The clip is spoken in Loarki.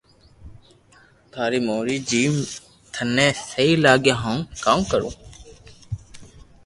ٿاري مرزي جيم ٿني سھي لاگي ھون ڪاو ڪرو